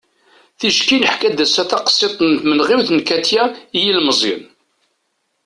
ticki neḥka-d ass-a taqsiḍt n tmenɣiwt n katia i yilmeẓyen